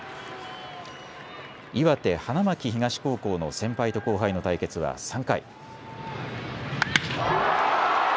岩手、花巻東高校の先輩と後輩の対決は３回。